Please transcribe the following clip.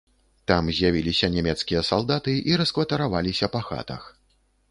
Там з'явіліся нямецкія салдаты і раскватараваліся па хатах.